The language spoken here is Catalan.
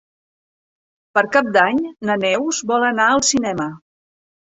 Per Cap d'Any na Neus vol anar al cinema.